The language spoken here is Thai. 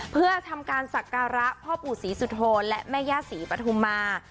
เพื่อทำการศักระพ่อปู่ศรีสุโธนและแม่ย่าศรีปฐุมา